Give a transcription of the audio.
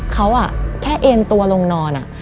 เขาแค่เอ็นตัวลงนอน